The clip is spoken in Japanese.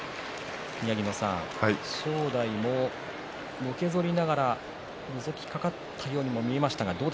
宮城野さん、正代ものけぞりながらのぞきかかったように見えましたね。